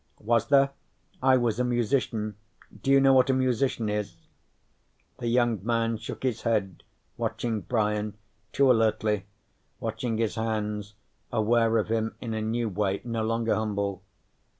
"Was there? I was a musician. Do you know what a musician is?" The young man shook his head, watching Brian too alertly, watching his hands, aware of him in a new way, no longer humble.